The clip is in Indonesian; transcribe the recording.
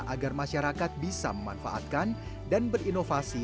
agar masyarakat bisa memanfaatkan dan berinovasi